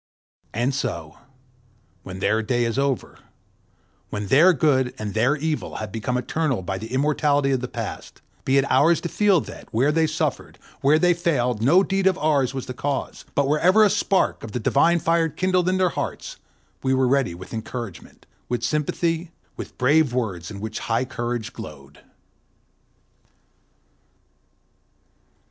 And so, when their day is over, when their good and their evil have become eternal by the immortality of the past, be it ours to feel that, where they suffered, where they failed, no deed of ours was the cause; but wherever a spark of the divine fire kindled in their hearts, we were ready with encouragement, with sympathy, with brave words in which high courage glowed.